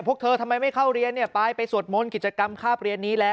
พวกเธอทำไมไม่เข้าเรียนเนี่ยไปไปสวดมนต์กิจกรรมคาบเรียนนี้แล้ว